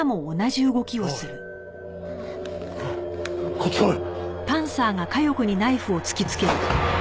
こっち来い！